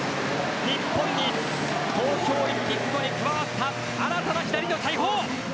日本に東京オリンピックより加わった新たな左の大砲。